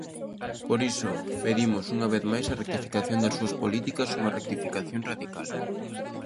Por iso pedimos, unha vez máis, a rectificación das súas políticas, unha rectificación radical.